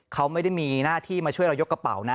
เขาไม่ได้มีหน้าที่มาช่วยเรายกกระเป๋านะ